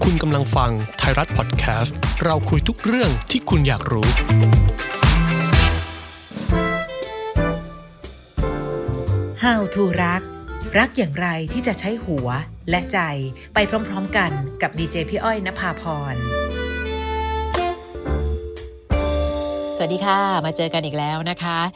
สวัสดีค่ะมาเจอกันอีกแล้วนะคะ